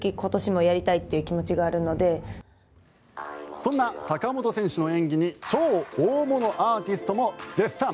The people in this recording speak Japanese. そんな坂本選手の演技に超大物アーティストも絶賛。